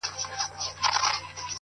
زه وايم راسه شعر به وليكو _